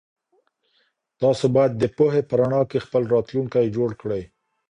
تاسو بايد د پوهي په رڼا کي خپل راتلونکی جوړ کړئ.